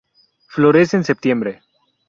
Florece en septiembre.